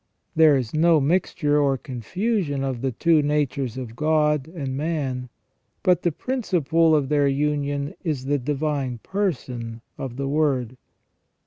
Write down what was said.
There is no mixture or confusion of the two natures of God and man ; but the principle of their union is the divine person of the Word.